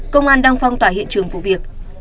công an đang phong tỏa hiện trường vụ việc